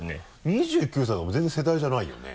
２９歳だからもう全然世代じゃないよね？